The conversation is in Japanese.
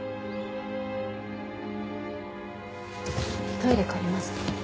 トイレ借ります。